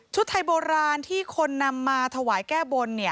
ไทยโบราณที่คนนำมาถวายแก้บน